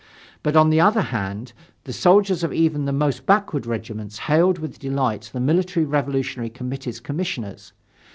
But, on the other hand, the soldiers of even the most backward regiments hailed with delight the Military Revolutionary Committee's commissioners.